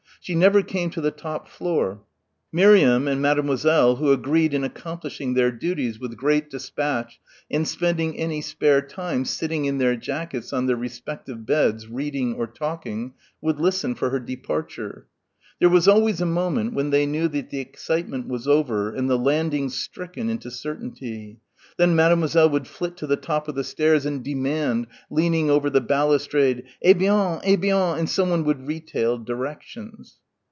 She never came to the top floor. Miriam and Mademoiselle, who agreed in accomplishing their duties with great despatch and spending any spare time sitting in their jackets on their respective beds reading or talking, would listen for her departure. There was always a moment when they knew that the excitement was over and the landing stricken into certainty. Then Mademoiselle would flit to the top of the stairs and demand, leaning over the balustrade, "Eh bien! Eh bien!" and someone would retail directions.